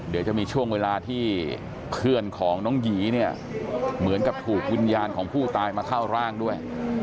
เดี๋ยวจะมีช่วงเวลาที่เพื่อนของน้องหยีเนี่ยเหมือนกับถูกวิญญาณของผู้ตายมาเข้าร่างด้วย